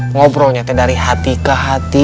ngobrolnya dari hati ke hati